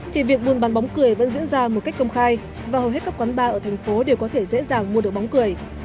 thì việc buôn bán bóng cười vẫn diễn ra một cách công khai và hầu hết các quán bar ở thành phố đều có thể dễ dàng mua được bóng cười